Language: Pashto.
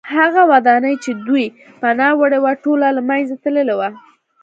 هغه ودانۍ چې دوی پناه وړې وه ټوله له منځه تللې وه